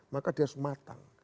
maka dia harus matang